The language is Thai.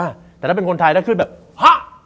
แต่ถ้าเป็นคนไทยถ้าขึ้นแบบฮะ